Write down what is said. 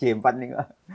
ada tetangga itu